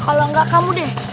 kalo engga kamu deh